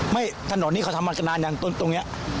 ทะโหนดนี้เขาทำมากนานอย่างตรงนี้